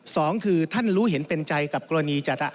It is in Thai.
สองคือท่านรู้เห็นเป็นใจกับกรณีจระ